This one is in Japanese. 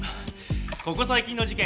ここ最近の事件